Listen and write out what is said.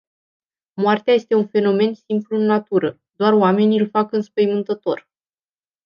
Moartea este un fenomen simplu în natură. Doar oamenii îl fac înspăimântător.